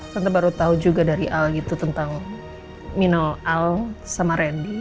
tante baru tahu juga dari el gitu tentang minol el sama randy